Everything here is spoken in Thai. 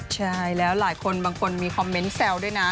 ใช่แล้วหลายคนบางคนมีคอมเมนต์แซวด้วยนะ